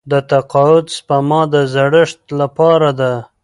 د تقاعد سپما د زړښت لپاره ده.